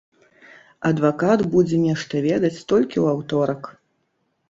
Адвакат будзе нешта ведаць толькі ў аўторак.